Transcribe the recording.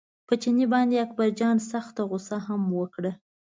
په چیني باندې اکبرجان سخته غوسه هم وکړه.